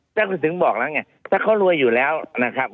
ท่านถึงบอกแล้วไงถ้าเขารวยอยู่แล้วนะครับ